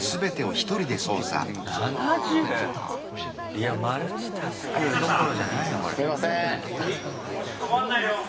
いやマルチタスクどころじゃないなこれ。